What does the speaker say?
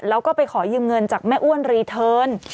แล้วก็ไปขอยืมเงินจากแม่อ้วนรีเทิร์น